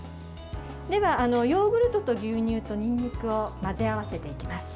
では、ヨーグルトと牛乳とにんにくを混ぜ合わせていきます。